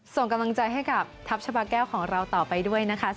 ส่งกำลังใจให้กับทัพชาบาแก้วของเราต่อไปด้วยนะคะ